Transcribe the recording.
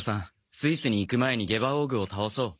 スイスに行く前にゲバオーグを倒そう。